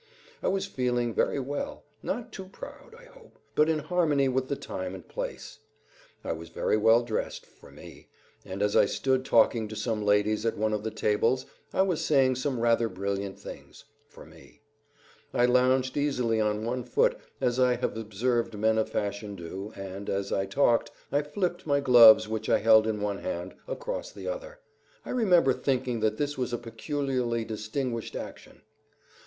I was feeling very well; not too proud, I hope, but in harmony with the time and place. I was very well dressed, for me; and as I stood talking to some ladies at one of the tables I was saying some rather brilliant things, for me; I lounged easily on one foot, as I have observed men of fashion do, and as I talked, I flipped my gloves, which I held in one hand, across the other; I remember thinking that this was a peculiarly distinguished action.